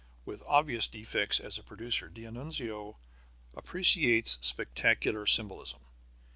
With obvious defects as a producer, D'Annunzio appreciates spectacular symbolism.